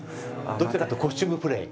どっちかっていうとコスチュームプレイ。